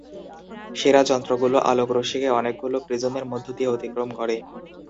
সেরা যন্ত্রগুলো আলোর রশ্মিকে অনেকগুলো প্রিজমের মধ্য দিয়ে অতিক্রম করে।